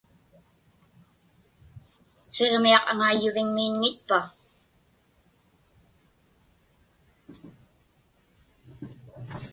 Siġmiaq aŋaiyyuviŋmiinŋitpa?